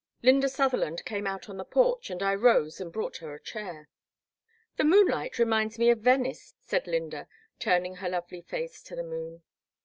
I^ynda Sutherland came out on the porch, and I rose and brought her a chair. The moonlight reminds me of Venice," said Lynda, turning her lovely face to the moon.